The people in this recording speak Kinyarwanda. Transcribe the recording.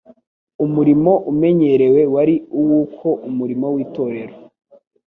Umurimo umenyerewe wari uw'uko umukuru w'itorero